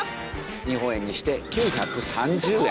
日本円にして９３０円。